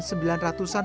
sembilan ratusan tahun